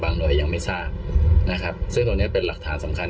หน่วยยังไม่ทราบนะครับซึ่งตรงนี้เป็นหลักฐานสำคัญ